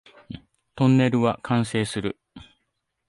トンネルは完成する